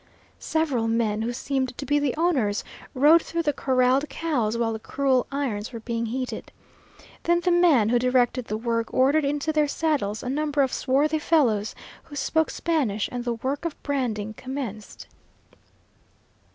Several men, who seemed to be the owners, rode through the corralled cows while the cruel irons were being heated. Then the man who directed the work ordered into their saddles a number of swarthy fellows who spoke Spanish, and the work of branding commenced.